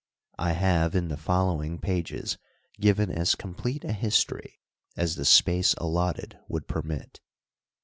I have in the follow ing pages given as complete a history as the space allotted would permit.